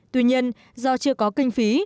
tuy nhiên do chưa có kinh phí